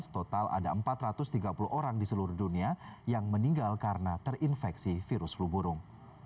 total ada empat ratus tiga puluh orang di seluruh dunia yang meninggal karena terinfeksi virus flu burung